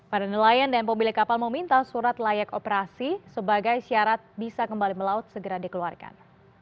para nelayan dan pemilik kapal meminta surat layak operasi sebagai syarat bisa kembali melaut segera dikeluarkan